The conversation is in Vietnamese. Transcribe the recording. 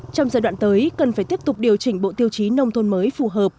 trong giai đoạn tới cần phải tiếp tục điều chỉnh bộ tiêu chí nông thôn mới phù hợp